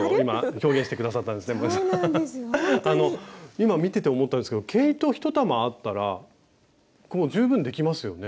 今見てて思ったんですけど毛糸１玉あったら十分できますよね。